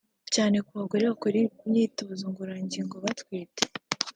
cyane ku bagore bakora imyitozo ngororangingo batwite